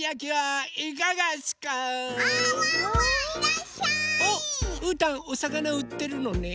おっうーたんおさかなうってるのね。